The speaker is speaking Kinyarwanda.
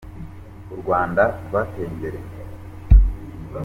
U Rwanda rwateye imbere.